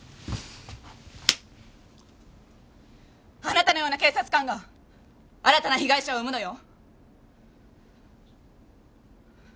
あなたのような警察官が新たな被害者を生むのよ。